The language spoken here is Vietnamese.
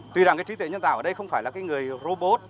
tuy rằng cái trí tuệ nhân tạo ở đây không phải là cái người robot